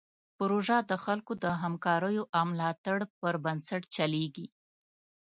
پروژه د خلکو د همکاریو او ملاتړ پر بنسټ چلیږي.